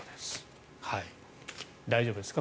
大丈夫ですか？